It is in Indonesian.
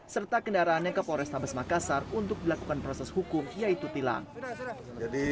serta kendaraan yang ke polres tabes makassar untuk melakukan proses hukum yaitu tilang jadi